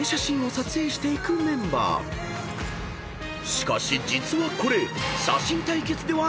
［しかし実はこれ］